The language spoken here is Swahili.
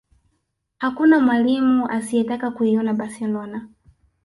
hakuna mwalimu asiyetaka kuinoa barcelona